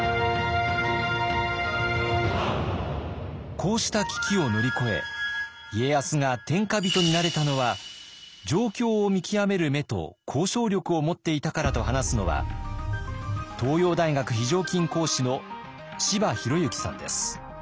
こうした危機を乗り越え家康が天下人になれたのは状況を見極める目と交渉力を持っていたからと話すのは東洋大学非常勤講師の柴裕之さんです。